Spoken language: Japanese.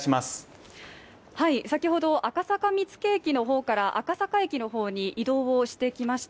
先ほど、赤坂見附駅の方から赤坂駅の方に移動をしてきました、